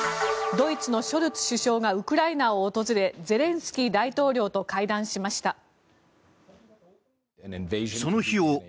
ドイツのショルツ首相がウクライナを訪れゼレンスキー大統領と会談しました。